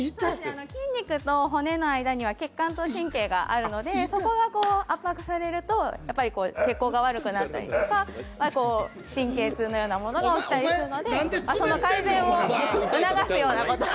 筋肉と骨の間には血管と神経があるのでそこが圧迫されると、やっぱり血行が悪くなったりとか、神経痛のようなものが起きたりするので、その改善を促すようなことを。